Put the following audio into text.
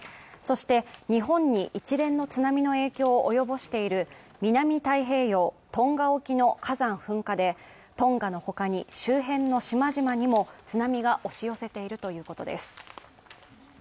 そして、日本に一連の津波の影響を及ぼしている、南太平洋、トンガ沖の火山噴火でトンガの他に、周辺の島々にも津波が押し寄せているということです。